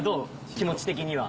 気持ち的には。